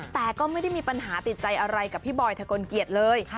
แต่ก็ไม่ได้มีปัญหาติดใจอะไรกับพี่บอยทะกลเกียจเลย